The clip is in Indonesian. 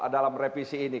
dalam repisi ini